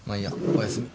おやすみ。